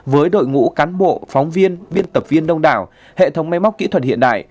với đội ngũ cán bộ phóng viên biên tập viên đông đảo hệ thống máy móc kỹ thuật hiện đại